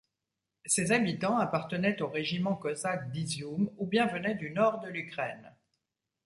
Ses habitants appartenaient au régiment cosaques d'Izioum ou bien venaient du nord de l'Ukraine.